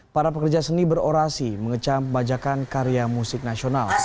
para pekerja seni berorasi mengecam bajakan karya musik nasional